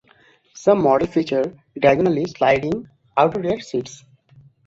Some models feature diagonally sliding outer rear seats.